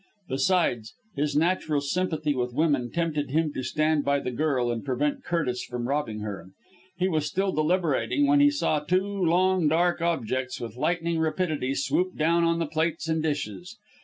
Besides, his natural sympathy with women tempted him to stand by the girl and prevent Curtis from robbing her. He was still deliberating, when he saw two long dark objects, with lightning rapidity, swoop down on the plates and dishes.